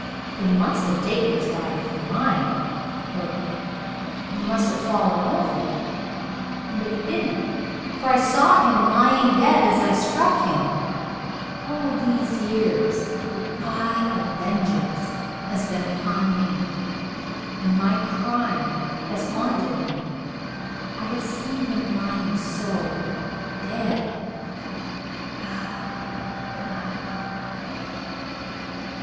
They must have taken his body for mine or he must have fallen over but he didn't, for I saw him lying dead as I had struck him. All these years the eye of vengeance has been upon me, and my crime has haunted me. I have seen him lying so dead. God! God!"